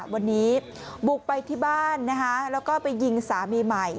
วันนี้บุกไปที่บ้านแล้วก็ไปยิงสามีใหม่